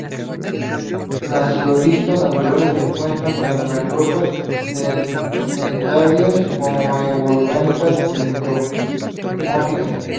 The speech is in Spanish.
La zeolitas naturales se encuentran, tanto en rocas sedimentarias como en volcánicas y metamórficas.